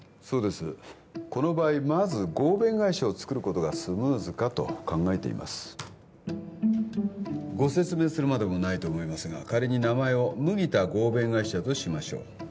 そうですこの場合まず合弁会社をつくることがスムーズかと考えていますご説明するまでもないと思いますが仮に名前を麦田合弁会社としましょう